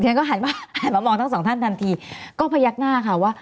ฉันก็หันมาหันมามองทั้งสองท่านทันทีก็พยักหน้าค่ะว่า